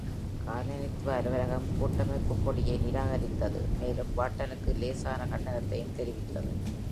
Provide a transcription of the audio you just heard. காலனித்துவ அலுவலகம் கூட்டமைப்பு கொடியை நிராகரித்தது, மேலும் பார்ட்டனுக்கு லேசான கண்டனத்தையும் தெரிவித்தது.